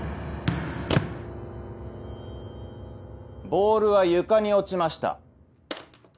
ボールは床に落ちました。